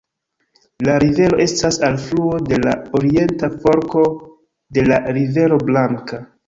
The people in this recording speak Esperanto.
La rivero estas alfluo de la orienta forko de la Rivero Blanka.